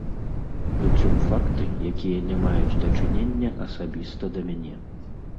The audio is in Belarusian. Прычым факты, якія не маюць дачынення асабіста да мяне.